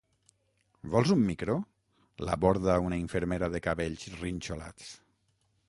Vols un micro? —l'aborda una infermera de cabells rinxolats.